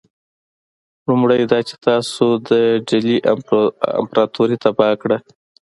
لومړی دا چې تاسي د ډهلي امپراطوري تباه کړه.